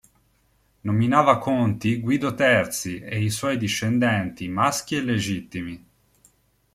Nominava conti Guido Terzi e i suoi discendenti, maschi e legittimi.